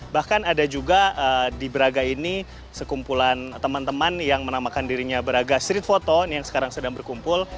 bahkan ada juga di braga ini sekumpulan teman teman yang menamakan dirinya braga street photo yang sekarang sedang berkumpul